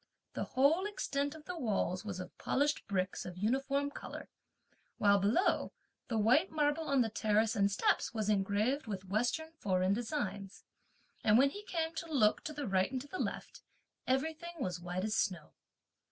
The whole extent of the walls was of polished bricks of uniform colour; while below, the white marble on the terrace and steps was engraved with western foreign designs; and when he came to look to the right and to the left, everything was white as snow.